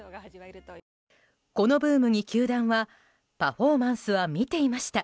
このブームに球団はパフォーマンスは見ていました。